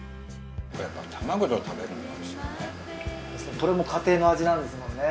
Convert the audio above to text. これも家庭の味なんですもんね。